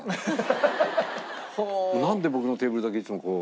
なんで僕のテーブルだけいつもこう。